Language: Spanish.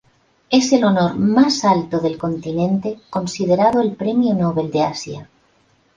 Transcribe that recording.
Es el honor más alto del continente, considerado el Premio Nobel de Asia.